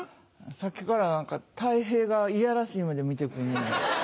さっきからたい平がいやらしい目で見て来んねん。